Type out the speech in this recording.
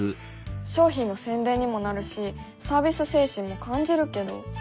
商品の宣伝にもなるしサービス精神も感じるけど。